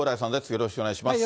よろしくお願いします。